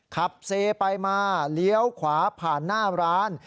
ขับเซไปมาเลี้ยวขวาผ่านหน้าร้าน